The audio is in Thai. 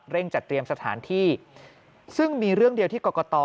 จัดเตรียมสถานที่ซึ่งมีเรื่องเดียวที่กรกต